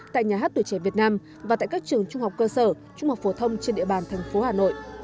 tại nhà hát tuổi trẻ việt nam và tại các trường trung học cơ sở trung học phổ thông trên địa bàn thành phố hà nội